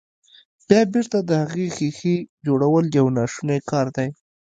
بيا بېرته د هغې ښيښې جوړول يو ناشونی کار دی.